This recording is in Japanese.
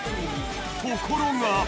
ところが。